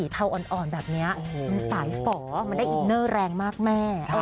ใช่นะคะ